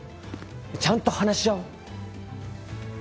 ちゃんと話し合おう。